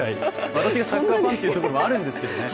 私がサッカーファンというところもあるんですけどね。